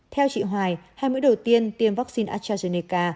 theo chị hoài hai mũi đầu tiên tiêm vaccine astrazeneca